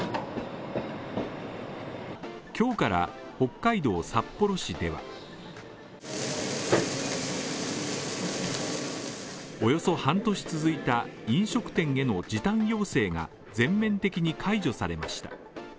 今日から北海道札幌市では、およそ半年続いた飲食店への時短要請が全面的に解除されました。